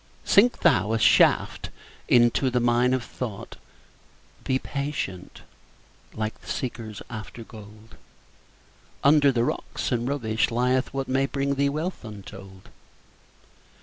Sink thou a shaft into the mine of thought; Be patient, like the seekers after gold; Under the rocks and rubbish lieth what May bring thee wealth untold.